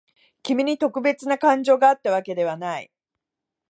君に特別な感情があったわけではない。